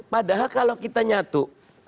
padahal kalau kita nyatu